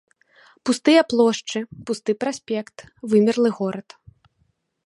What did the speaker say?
Пустыя плошчы, пусты праспект, вымерлы горад.